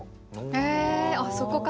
へえそこから？